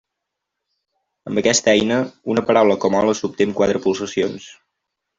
Amb aquesta eina, una paraula com hola s'obté amb quatre pulsacions.